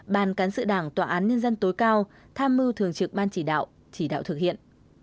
ban cán sự đảng tòa án nhân dân tối cao tham mưu thường trực ban chỉ đạo chỉ đạo thực hiện